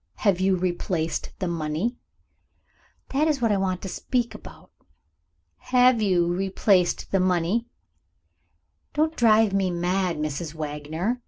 "Have you replaced the money?" "That is what I want to speak about?" "Have you replaced the money?" "Don't drive me mad, Mrs. Wagner!